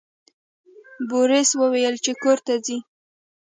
بوریس وویل چې کور ته ځئ.